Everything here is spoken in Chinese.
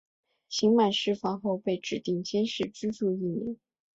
刑满释放后被指定监视居住一年。